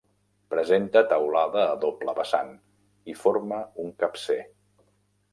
Presenta teulada a doble vessant i forma un capcer.